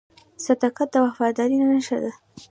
• صداقت د وفادارۍ نښه ده.